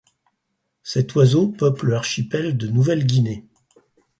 Cet oiseau peuple l'archipel de Nouvelle-Guinée.